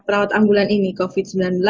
perawat ambulan ini covid sembilan belas